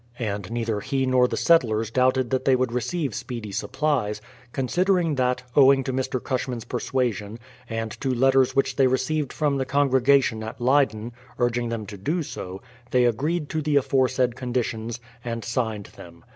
And neither he nor the settlers doubted that they would receive speedy supplies, considering that, owing to Mr. Cushman's persuasion, and to letters which they received from the congregation at Leyden, urging them to do so, they agreed to the aforesaid conditions, and signed them.